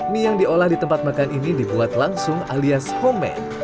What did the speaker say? mie yang diolah di tempat makan ini dibuat langsung alias homemay